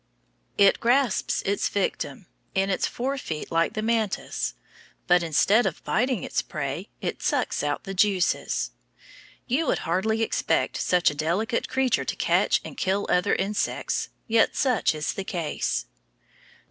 It grasps its victim, in its fore feet like the mantis, but instead of biting its prey it sucks out the juices. You would hardly expect such a delicate creature to catch and kill other insects, yet such is the case.